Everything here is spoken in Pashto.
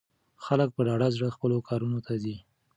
خلک په ډاډه زړه خپلو کارونو ته ځي.